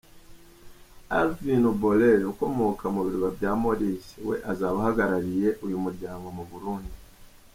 Arvin Boolel ukomoka mu birwa bya Maurice, we azaba ahagarariye uyu muryango mu Burundi.